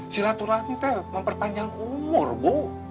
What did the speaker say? silaturahmi itu memperpanjang umur bu